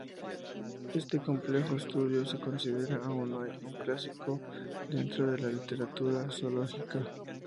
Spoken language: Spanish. Este complejo estudio se considera, aún hoy, un clásico dentro de la literatura zoológica.